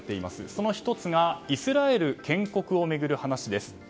その１つがイスラエル建国を巡る話です。